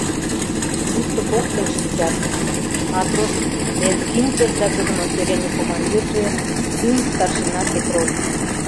Тушто коктын шинчат: матрос Лезгинцев да тудын отделений командирже тӱҥ старшина Петров.